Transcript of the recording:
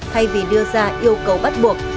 thay vì đưa ra yêu cầu bắt buộc